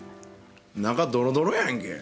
中ドロドロやんけ。